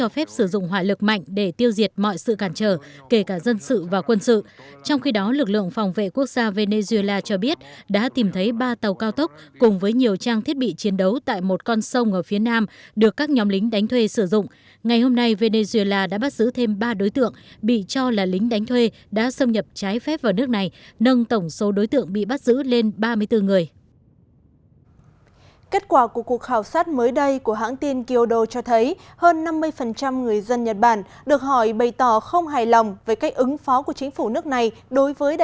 kết quả của cuộc khảo sát mới đây của hãng tin kyodo cho thấy hơn năm mươi người dân nhật bản được hỏi bày tỏ không hài lòng về cách ứng phó của chính phủ nước này đối với đại dịch covid một mươi chín